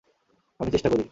আমি চেষ্টা করি।